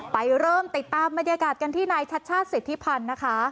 ไปเริ่มติดตามบรรยากาศที่ในชาชาติศิษภารนะคะ